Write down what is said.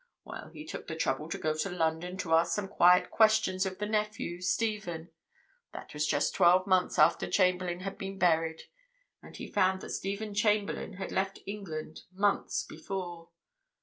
"Well, he took the trouble to go to London to ask some quiet questions of the nephew, Stephen. That was just twelve months after Chamberlayne had been buried. But he found that Stephen Chamberlayne had left England—months before.